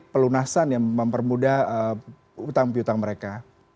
pelunasan yang mempermudah utang piutang mereka